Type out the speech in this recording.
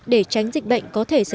để tránh dịch bệnh có thể xảy ra